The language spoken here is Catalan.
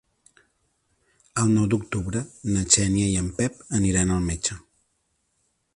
El nou d'octubre na Xènia i en Pep aniran al metge.